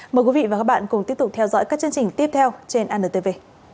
mời quý vị và các bạn cùng tiếp tục theo dõi các chương trình tiếp theo trên antv